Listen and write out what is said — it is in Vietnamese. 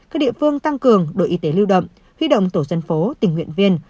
các địa phương tăng cường đội y tế lưu động huy động tổ dân phố tình nguyện viên